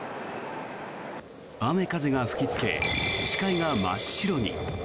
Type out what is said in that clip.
雨、風が吹きつけ視界が真っ白に。